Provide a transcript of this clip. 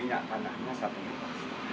minyak tanahnya satu liter setengah